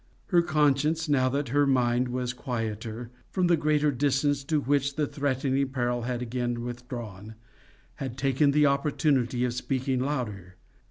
Her conscience, now that her mind was quieter, from the greater distance to which the threatening peril had again withdrawn, had taken the opportunity of speaking louder.